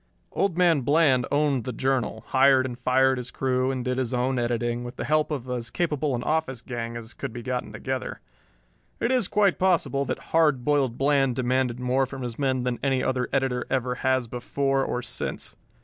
Old Man Bland owned the Journal, hired and fired his crew and did his own editing, with the help of as capable an office gang as could be gotten together. It is quite possible that "Hard Boiled" Bland demanded more from his men than any other editor ever has before or since.